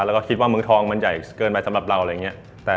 แล้วก็คิดว่าเมืองทองมันใหญ่เกินไปสำหรับเรา